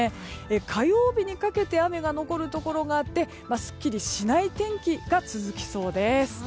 火曜日にかけて雨が残るところがあってすっきりしない天気が続きそうです。